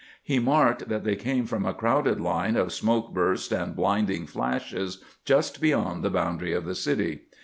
He marked that they came from a crowded line of smoke bursts and blinding flashes just beyond the boundary of the city.